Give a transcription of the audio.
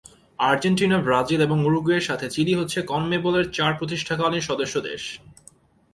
Argentina, Brazil এবং উরুগুয়ের সাথে চিলি হচ্ছে কনমেবলের চার প্রতিষ্ঠাকালীন সদস্য দেশ।